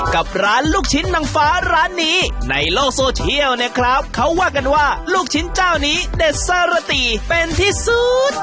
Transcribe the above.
กับร้านลูกชิ้นนางฟ้าร้านนี้ในโลกโซเชียลเนี่ยครับเขาว่ากันว่าลูกชิ้นเจ้านี้เด็ดสารติเป็นที่สุด